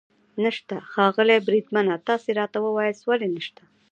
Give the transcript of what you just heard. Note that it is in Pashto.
نشته؟ ښاغلی بریدمنه، تاسې راته ووایاست ولې نشته.